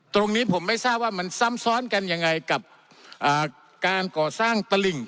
ตรงนี้ผมไม่ทราบว่ามันซ้ำซ้อนกันยังไงกับการก่อสร้างตลิ่ง